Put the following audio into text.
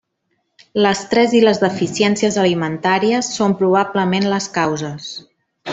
L'estrès i les deficiències alimentàries són probablement les causes.